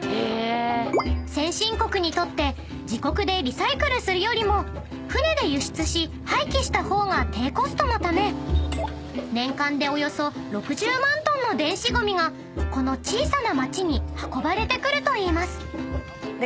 ［先進国にとって自国でリサイクルするよりも船で輸出し廃棄した方が低コストのため年間でおよそ６０万ｔの電子ゴミがこの小さな町に運ばれてくるといいます］